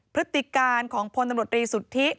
พฤติการของพลตำรวจรีสุทธิ